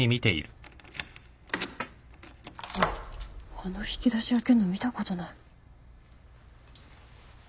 あの引き出し開けるの見たことない。